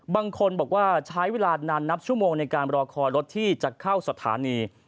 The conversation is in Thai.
บางคนบอกว่าใช้เวลานานนับชั่วโมงในการรอคอยรถที่จะเข้าสถานี